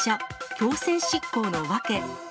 強制執行の訳。